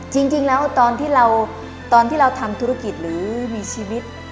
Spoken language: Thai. จริงแล้วตอนที่เราทำธุรกิจหรือมีชีวิต